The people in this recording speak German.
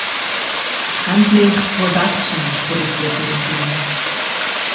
Handmade Productions produzierte den Film.